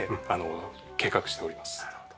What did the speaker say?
なるほど。